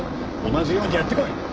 同じようにやってこい！